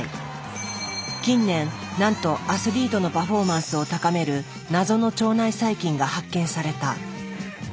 近年なんとアスリートのパフォーマンスを高める謎の腸内細菌が発見された。